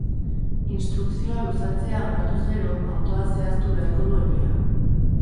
Instrukzioa luzatzea onartuz gero, autoan zehaztu beharko du epea.